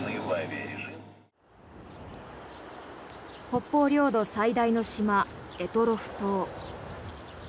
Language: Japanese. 北方領土最大の島、択捉島。